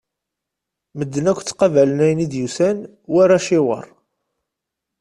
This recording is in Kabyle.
Medden akk ttaqabalen ayen i d-yusan war aciwer.